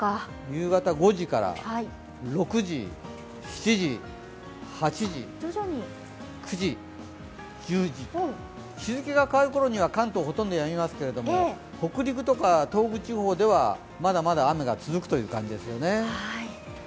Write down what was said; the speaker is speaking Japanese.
夕方５時から６時、７時、８時、９時、１０時日付が変わるころには関東、ほとんどやみますけれども北陸とか東北地方ではまだまだ雨が続くという感じですよね。